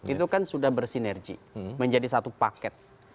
itu kan sudah bersinergi menjadi satu paket